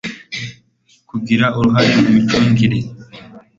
kugira uruhare mu micungire